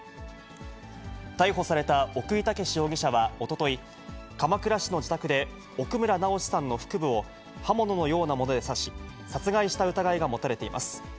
逮捕された奥井剛容疑者はおととい、鎌倉市の自宅で、奥村直司さんの腹部を、刃物のようなもので刺し、殺害した疑いが持たれています。